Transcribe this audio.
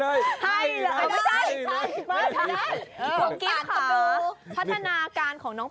เออกุ๊บเรียบด่วนไหมมากเลย